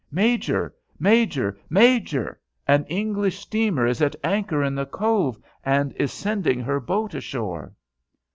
"Major! Major! Major! An English steamer is at anchor in the cove, and is sending her boat ashore."